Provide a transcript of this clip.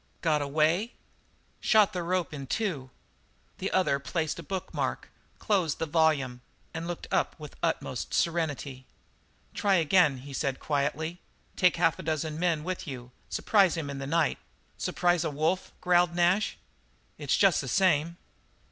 "Got away?" "Shot the rope in two." The other placed a book mark, closed the volume, and looked up with the utmost serenity. "Try again," he said quietly. "Take half a dozen men with you, surprise him in the night " "Surprise a wolf," growled Nash. "It's just the same."